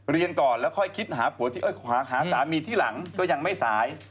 เรียนก่อนแล้วค่อยคิดหาผัวหาสามีที่หลังก็ยังไม่สาย